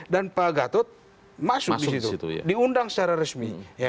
dan pak gatot masuk di situ diundang secara resmi